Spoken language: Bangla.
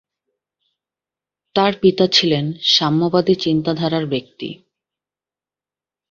তার পিতা ছিলেন সাম্যবাদী চিন্তাধারার ব্যক্তি।